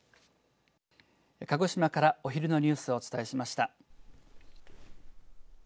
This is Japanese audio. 鹿児島からお昼のニュースをお伝えしました。